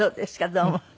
どうも。